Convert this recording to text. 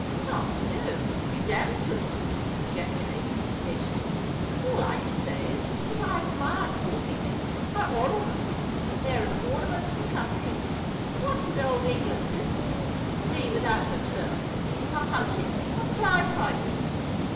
"Harm, no—and be damned to it!" ejaculated Mr. Egerton. "All I can say is, that I admire sporting men—I honour them: they're an ornament to the country. What would Old England—hic—be without her Turf—her hunting—her prize fighting?